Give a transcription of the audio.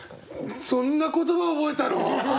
そんな言葉覚えたの！？